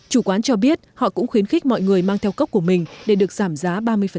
chủ quán cho biết họ cũng khuyến khích mọi người mang theo cốc của mình để được giảm giá ba mươi